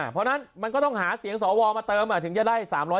เพราะฉะนั้นมันก็ต้องหาเสียงสวมาเติมถึงจะได้๓๐๐